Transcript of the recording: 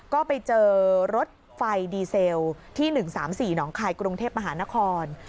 ก็ไปเจอรถไฟดีเซลที่๑๓๔หนองคายกรุงเทพมหานคร